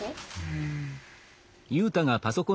うん。